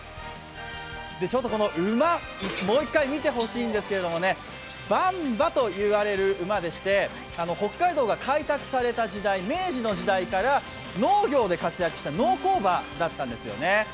馬、もう一回、見てほしいんですけど、ばん馬といわれる馬でして北海道が開拓された時代、明治の時代から農業で活躍した農耕馬だったんですよね。